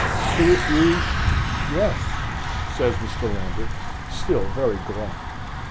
"To refuse? Yes," says Mr. Lambert, still very glum.